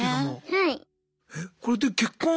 はい。